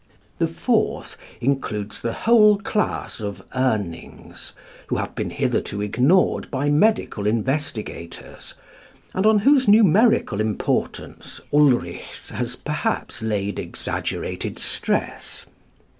The fourth includes the whole class of Urnings, who have been hitherto ignored by medical investigators, and on whose numerical importance Ulrichs has perhaps laid exaggerated stress.